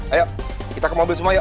ayo kita ke mobil semua yuk